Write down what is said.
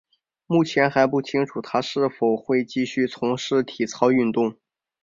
目前还不清楚她是否会继续从事体操运动。